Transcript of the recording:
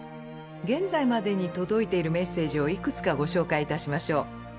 現在までに届いているメッセージをいくつかご紹介いたしましょう。